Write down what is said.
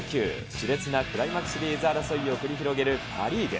しれつなクライマックスシリーズ争いを繰り広げるパ・リーグ。